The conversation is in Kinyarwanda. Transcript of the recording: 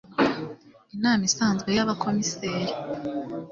Inama isanzwe y Abakomiseri